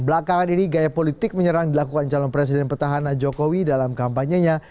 belakangan ini gaya politik menyerang dilakukan calon presiden petahana jokowi dalam kampanyenya